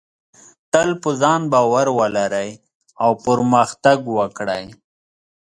تل په ځان باور ولرئ او پرمختګ وکړئ.